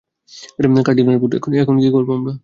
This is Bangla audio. কার্ডিনাল ব্রুন, এখন কী করব আমরা?